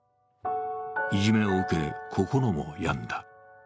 いじめを受け、心も病んだ。